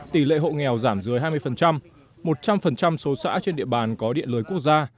tỷ lệ hộ nghèo giảm dưới hai mươi một trăm linh số xã trên địa bàn có điện lưới quốc gia